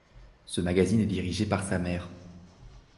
Ce magazine est dirigé par sa mère.